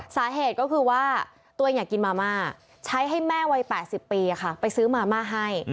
สาเหตุก็คือว่าตัวเองอยากกินมาม่าใช้ให้แม่วัย๘๐ปีไปซื้อมาม่าให้